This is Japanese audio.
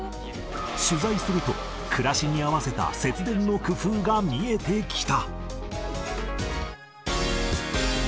取材すると、暮らしに合わせた節電の工夫が見えてきた。